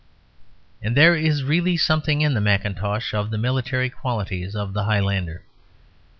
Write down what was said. And there is really something in the mackintosh of the military qualities of the Highlander.